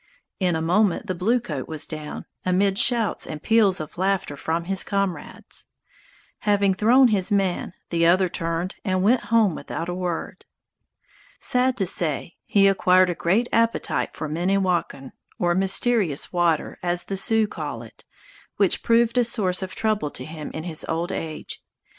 In a moment the bluecoat was down, amid shouts and peals of laughter from his comrades. Having thrown his man, the other turned and went home without a word. Sad to say, he acquired a great appetite for "minne wakan", or "mysterious water", as the Sioux call it, which proved a source of trouble to him in his old age.